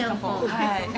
はい。